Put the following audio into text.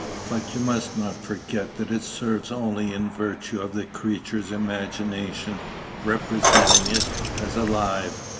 "But you must not forget that it serves only in virtue of the creature's imagination representing it as alive.